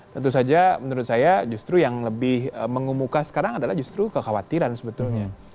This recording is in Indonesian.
tentu saja menurut saya justru yang lebih mengumumkan sekarang adalah justru kekhawatiran sebetulnya